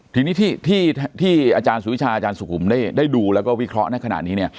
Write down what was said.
ทีนี้ที่อาจารย์สุวิชาอาจารย์สุขุมได้ดูแล้วก็วิเคราะห์ในขณะนี้เนี่ย